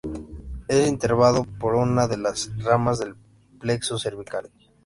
Es inervado por una de las ramas del plexo cervical.